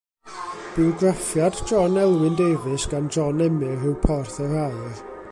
Bywgraffiad John Elwyn Davies gan John Emyr yw Porth yr Aur.